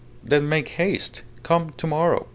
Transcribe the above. "Then make haste. Come to morrow.